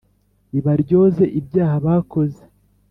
ibaryoze ibyaha bakoze.